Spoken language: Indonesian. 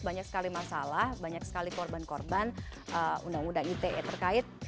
banyak sekali masalah banyak sekali korban korban undang undang ite terkait